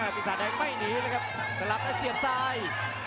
ปีศาจแดงไม่หนีเลยครับสลับแล้วเสียบซ้าย